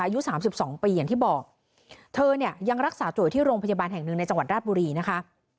อายุสามสิบสองปีอย่างที่บอกเธอเนี่ยยังรักษาตัวอยู่ที่โรงพยาบาลแห่งหนึ่งในจังหวัดราชบุรีนะคะ